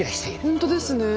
本当ですね。